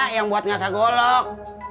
yang buat ngasah golok